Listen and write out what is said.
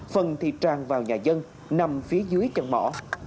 phần thì tràn vào nhà dân nằm phía dưới chân mỏ